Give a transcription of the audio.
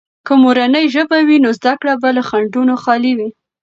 که مورنۍ ژبه وي، نو زده کړه به له خنډونو خالي وي.